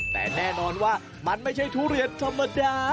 แต่แน่นอนว่ามันไม่ใช่ทุเรียนธรรมดา